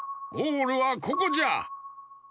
ゴールはここじゃ！